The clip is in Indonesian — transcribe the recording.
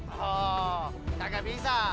oh tidak bisa